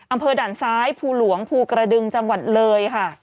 อำเภอด่านซ้ายภูหลวงภูกระดึงจังหวัดเลยค่ะ